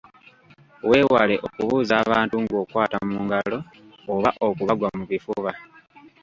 Weewale okubuuza abantu ng’okwata mu ngalo oba okubagwa mu bifuba.